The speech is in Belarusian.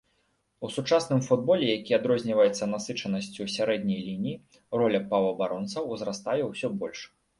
У сучасным футболе, які адрозніваецца насычанасцю сярэдняй лініі, роля паўабаронцаў узрастае ўсё больш.